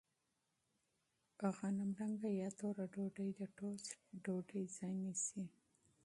غنمرنګه یا توره ډوډۍ د ټوسټ ډوډۍ ځای نیسي.